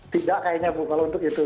tidak kayaknya bu kalau untuk itu